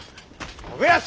信康！